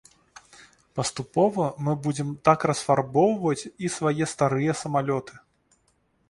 Паступова мы будзем так расфарбоўваць і свае старыя самалёты.